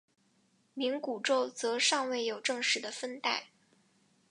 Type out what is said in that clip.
冥古宙则尚未有正式的分代。